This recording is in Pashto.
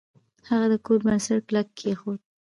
هغه د کور بنسټ کلک کیښود.